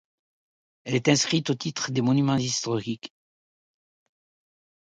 Elles est inscrite au titre des Monuments historiques.